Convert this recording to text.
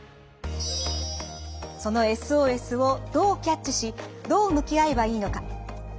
そのＳＯＳをどうキャッチしどう向き合えばいいのか。